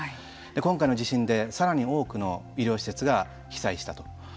今回の地震でさらに多くの医療施設が被災したと。